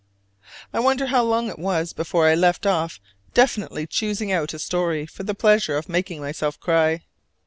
I wonder how long it was before I left off definitely choosing out a story for the pleasure of making myself cry!